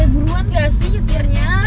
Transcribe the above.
ada guruan gak sih nyetirnya